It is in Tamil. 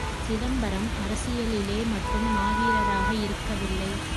சிதம்பரம் அரசியலிலே மட்டும் மாவீரராக இருக்கவில்லை.